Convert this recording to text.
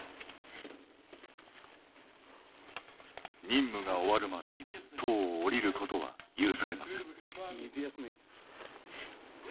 任務が終わるまで塔を降りることは許されません。